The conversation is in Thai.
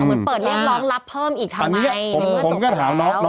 เหมือนเปิดเรียกร้องรับเพิ่มอีกทำไม